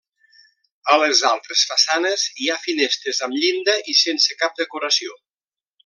A les altres façanes hi ha finestres amb llinda i sense cap decoració.